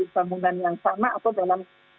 bangunan yang sama atau dalam